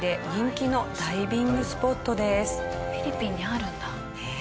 フィリピンにあるんだ。